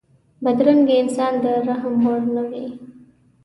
بدرنګه انسان د رحم وړ نه وي